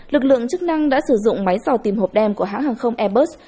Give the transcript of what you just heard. lực lượng chức năng đã sử dụng máy dò tìm hộp đen của hãng hàng không airbus